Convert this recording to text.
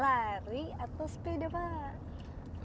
lari atau sepeda pak